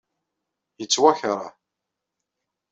Yettwakṛeh.